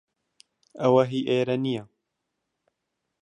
ئەوە هی ئێرە نییە.